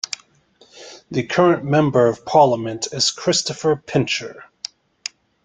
The current member of parliament is Christopher Pincher.